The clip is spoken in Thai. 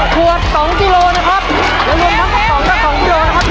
ปริชทรัพย์ให้ลุกครับ